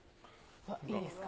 いいですか。